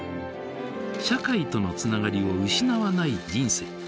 社会とのつながりを失わない人生。